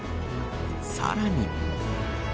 さらに。